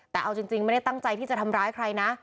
แต่เอาจริงไม่ได้ตั้งใจที่จะทำร้ายใครนะ